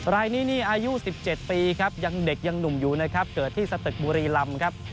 รายนี้นี่อายุ๑๗ปีครับยังเด็กยังหนุ่มอยู่นะครับเกิดที่สตึกบุรีลำครับ